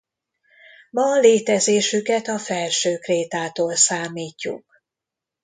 Ma létezésüket a felső krétától számítjuk.